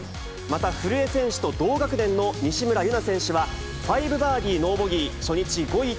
また古江選手と同学年の西村優菜選手は、５バーディーノーボギー、初日５位